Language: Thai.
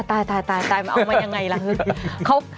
ตายเอามายังไงละ